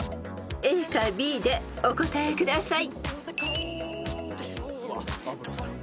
［ＡかＢでお答えください］